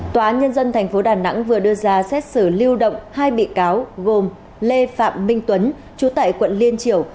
tòa án nhân dân tp đà nẵng vừa đưa ra xét xử lưu động hai bị cáo gồm lê phạm minh tuấn chú tại quận liên triều